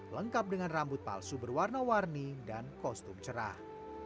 lengkap dengan rambut palsu berwarna warni dan kostum cerah